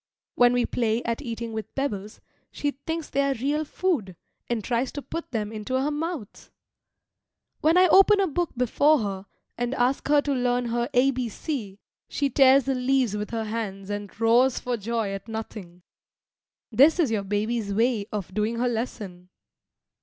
When we play at eating with pebbles, she thinks they are real food, and tries to put them into her mouth. When I open a book before her and ask her to learn her a, b, c, she tears the leaves with her hands and roars for joy at nothing; this is your baby's way of doing her lesson.